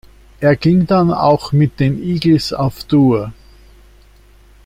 Er ging dann auch mit den Eagles auf Tour.